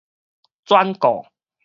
轉告